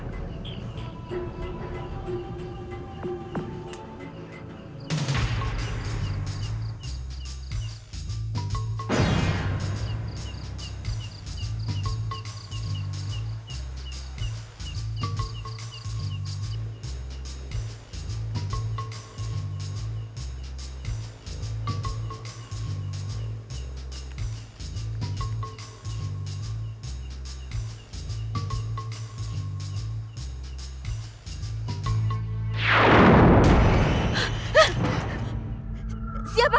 terima kasih pak